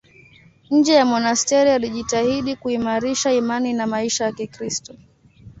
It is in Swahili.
Nje ya monasteri alijitahidi kuimarisha imani na maisha ya Kikristo.